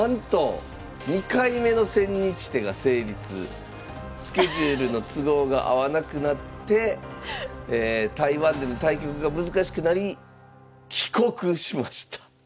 また⁉なんとスケジュールの都合が合わなくなって台湾での対局が難しくなり帰国しました。